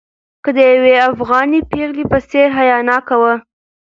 هغه د یوې افغانۍ پېغلې په څېر حیاناکه وه.